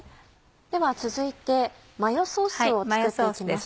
では続いてマヨソースを作って行きます。